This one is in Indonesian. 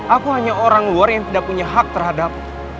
aku hanya orang luar yang tidak punya hak terhadap